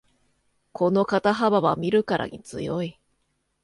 この肩幅は見るからに強い